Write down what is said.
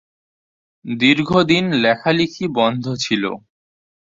দীর্ঘ দিন লেখালিখি বন্ধ ছিল।